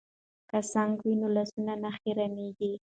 که سنک وي نو لاسونه نه خیرنیږي.